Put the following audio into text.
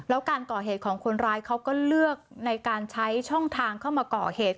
แล้วการก่อเหตุของคนร้ายเขาก็เลือกในการใช้ช่องทางเข้ามาก่อเหตุ